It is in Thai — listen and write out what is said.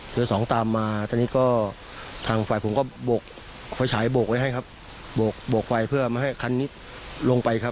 ตัวที่๒ตามมาแล้วทางไฟผมปล่อยฉายปลาไฟให้ครับปลากลงให้คันนี้ลงไปครับ